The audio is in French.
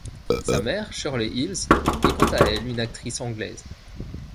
Sa mère, Shirley Hills est quant à elle une actrice anglaise.